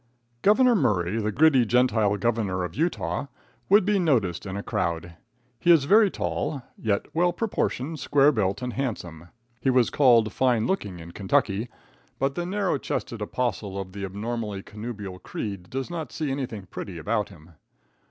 Gov. Murray, the gritty Gentile governor of Utah, would be noticed in a crowd. He is very tall, yet well proportioned, square built and handsome. He was called fine looking in Kentucky, but the narrow chested apostle of the abnormally connubial creed does not see anything pretty about him.